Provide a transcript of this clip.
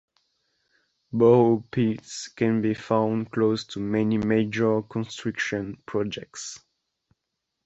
Borrow pits can be found close to many major construction projects.